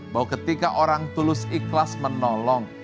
bahwa ketika orang tulus ikhlas menolong